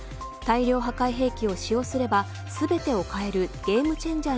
大量破壊兵器を使用すれば全てを変えるゲームチェン